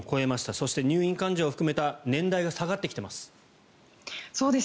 そして、入院患者を含めた年代が下がってきています。